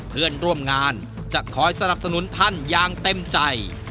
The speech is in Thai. เพื่อนร่วมงานจะคอยสนับสนุนท่านอย่างเต็มใจ